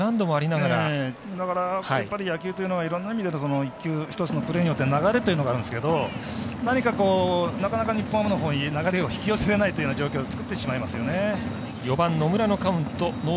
だから、やっぱり野球というのはいろんな意味で１球、１つのプレーによって流れというのがあるんですけどなかなか日本ハムのほうに流れを引き寄せられない状況を作ってしまいますよね。